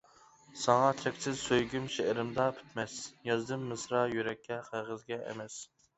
ساڭا چەكسىز سۆيگۈم شېئىرىمدا پۈتمەس، يازدىم مىسرا يۈرەككە، قەغەزگە ئەمەس.